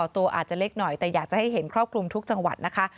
ตัวอาจจะเล็กหน่อยแต่อยากจะให้เห็นครอบคลุมทุกจังหวัดนะคะ